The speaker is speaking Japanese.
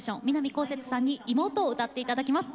こうせつさんに「妹」を歌って頂きます。